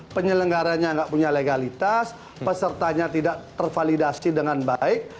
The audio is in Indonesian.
penyelenggaranya nggak punya legalitas pesertanya tidak tervalidasi dengan baik